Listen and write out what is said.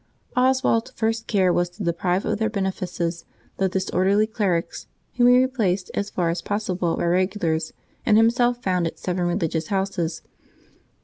Oswald's first care was to deprive of their benefices the disorderly clerics, whom he replaced as far as possible by regulars, and himself founded seven religious houses.